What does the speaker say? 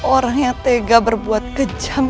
orang yang tega berbuat kejam